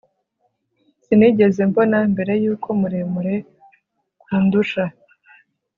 Sinigeze mbona mbere yuko muremure kundusha